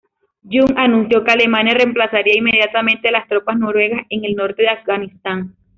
Jung anunció que Alemania reemplazaría inmediatamente las tropas noruegas en el norte de Afganistán.